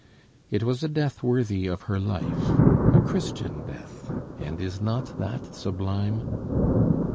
It was a death worthy of her life, a Christian death; and is not that sublime?